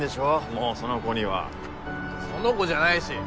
もうその子にはその子じゃないし。